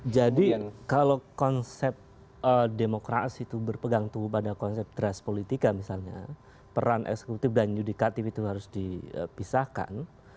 jadi kalau konsep demokrasi itu berpegang tubuh pada konsep teras politika misalnya peran eksekutif dan yudikatif itu harus dipisahkan